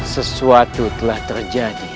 sesuatu telah terjadi